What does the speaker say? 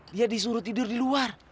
dia disuruh tidur di luar